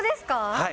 はい。